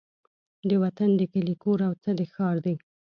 د وطن د کلي کور او څه د ښار دي